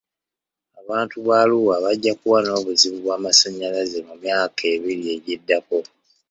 Abantu ba Arua bajja kuba n'obuzibu bw'amasanyalaze mu myaka ebiri egiddako.